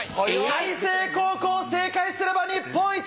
・開成高校正解すれば日本一！